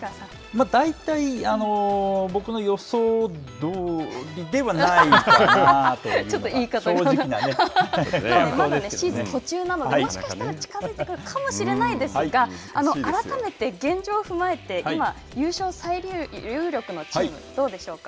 まあ、大体、あのう、まだね、シーズン途中なので、もしかしたら近づいてくるかもしれないですが、改めて、現状を踏まえて、今、優勝最有力のチーム、どうでしょうか。